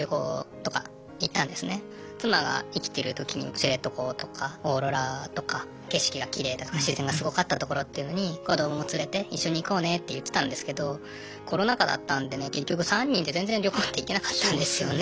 妻が生きてるときに知床とかオーロラとか景色がきれいだとか自然がすごかった所っていうのに子どもも連れて一緒に行こうねって言ってたんですけどコロナ禍だったんでね結局３人で全然旅行って行けなかったんですよね。